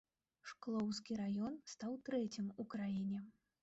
Шклоўскі раён стаў трэцім у краіне.